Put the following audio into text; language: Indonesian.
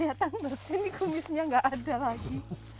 lihat tak mba sini kumisnya enggak ada lagi